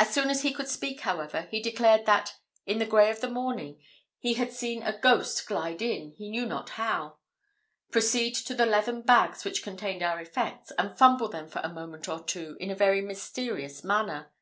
As soon as he could speak, however, he declared that, in the grey of the morning, he had seen a ghost glide in he knew not how, proceed to the leathern bags which contained our effects, and fumble them for a moment or two in a very mysterious manner.